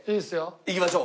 行きましょう。